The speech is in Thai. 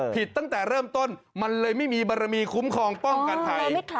ตั้งแต่เริ่มต้นมันเลยไม่มีบารมีคุ้มครองป้องกันภัย